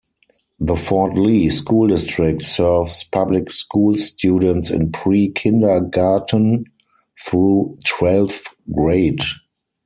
The Fort Lee School District serves public school students in pre-kindergarten through twelfth grade.